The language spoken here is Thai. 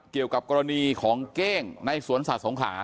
เกี่ยวกับกรณีของเก้งในสวนสัตว์สงขา